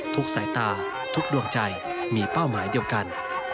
สายตาทุกดวงใจมีเป้าหมายเดียวกัน